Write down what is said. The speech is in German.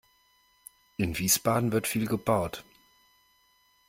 In Wiesbaden wird viel gebaut.